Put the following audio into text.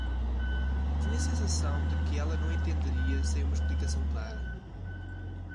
Tenho a sensação de que ela não entenderia sem uma explicação clara.